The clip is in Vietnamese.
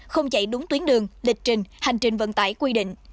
không chạy đúng tuyến đường lịch trình hành trình vận tải quy định